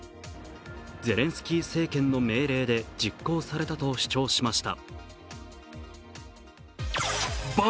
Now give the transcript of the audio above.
ゼレンスキー政権の命令で実行されたと主張しました。